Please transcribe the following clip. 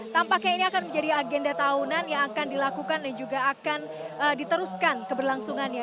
tampaknya ini akan menjadi agenda tahunan yang akan dilakukan dan juga akan diteruskan keberlangsungannya